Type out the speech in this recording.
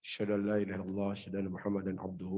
syedallahi ilaih allah syedallahu muhammadin abduhu